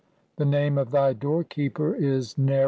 The name of the doorkeeper is Semamti."